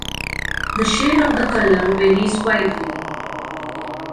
The shade of the color varies widely.